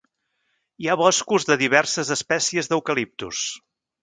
Hi ha boscos de diverses espècies d'eucaliptus.